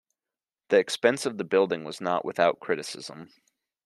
The expense of the building was not without criticism.